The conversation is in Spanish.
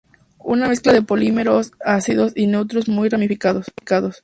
Una mezcla de polímeros ácidos y neutros muy ramificados.